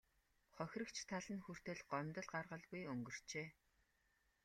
Хохирогч тал нь хүртэл гомдол гаргалгүй өнгөрчээ.